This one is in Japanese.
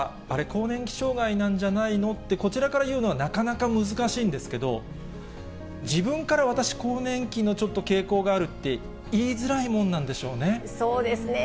更年期障害なんじゃないのって、こちらから言うのはなかなか難しいんですけど、自分から私、更年期のちょっと傾向があるって、言いづらいもんなんでしょうね。